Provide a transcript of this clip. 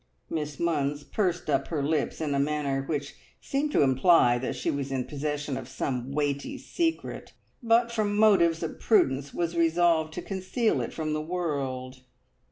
Miss Munns pursed up her lips in a manner which seemed to imply that she was in possession of some weighty secret, but from motives of prudence was resolved to conceal it from the world.